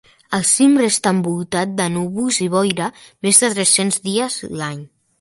El cim resta envoltat de núvols i boira més de tres-cents dies l'any.